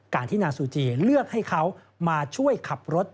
ที่นางซูเจเลือกให้เขามาช่วยขับรถ